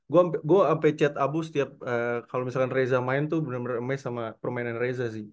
gue ampe chat abu setiap kalau misalkan reza main tuh bener bener amaze sama permainan reza sih